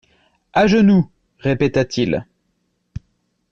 À genoux, répéta-t-il.